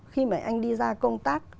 khi mà anh đi ra công tác